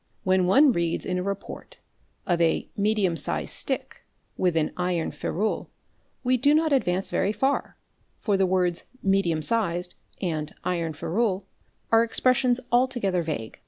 When one reads in a | Wh) OTHER IMPRESSIONS 551 report of a "medium sized stick' with an "iron ferule"', we do not ' advance very far, for the words "' medium sized"' and "iron ferule" are | expressions altogéther vague.